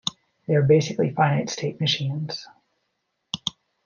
They are basically finite state machines.